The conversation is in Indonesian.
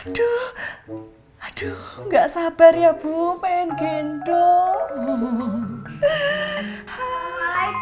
aduh aduh gak sabar ya bu main gendong